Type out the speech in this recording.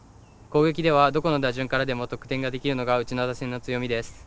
攻撃では、どこの打順からでも得点ができるのがうちの打線の強みです。